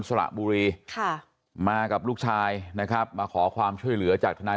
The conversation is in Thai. สระบุรีค่ะมากับลูกชายนะครับมาขอความช่วยเหลือจากธนาย